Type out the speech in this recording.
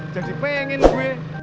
jadi pengen gue